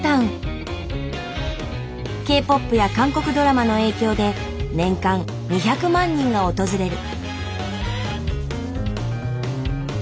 Ｋ−ＰＯＰや韓国ドラマの影響で年間２００万人が訪れる。